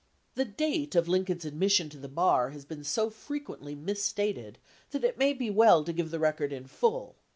1 The date of Lincoln's admission to the bar has been so frequently misstated that it may be well to give the record in full.